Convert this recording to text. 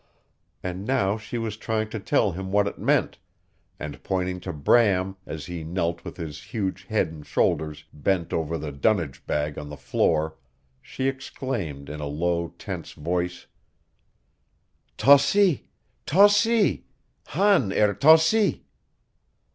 And now she was trying to tell him what it meant, and pointing to Bram as he knelt with his huge head and shoulders bent over the dunnage bag on the floor she exclaimed in a low, tense voice: "Tossi tossi han er tossi!"